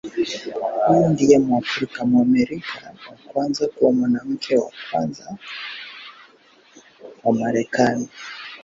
Huyu ndiye Mwafrika-Mwamerika wa kwanza kuwa Mwanamke wa Kwanza wa Marekani.